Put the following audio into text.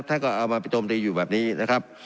ท่านก็เอามาไปโจมตีอยู่แบบนี้นะครับ